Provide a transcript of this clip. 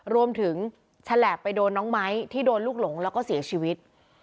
ฉลาบไปโดนน้องไม้ที่โดนลูกหลงแล้วก็เสียชีวิต